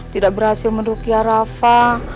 tidak berhasil menerukiah rafa